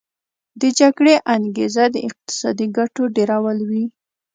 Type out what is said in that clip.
د جګړې انګیزه د اقتصادي ګټو ډیرول وي